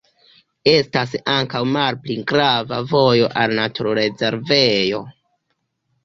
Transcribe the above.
Estas ankaŭ malpli grava vojo al naturrezervejo.